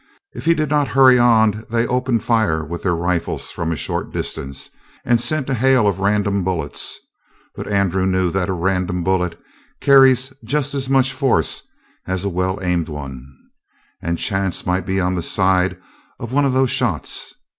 If he did not hurry on they opened fire with their rifles from a short distance and sent a hail of random bullets, but Andrew knew that a random bullet carries just as much force as a well aimed one, and chance might be on the side of one of those shots.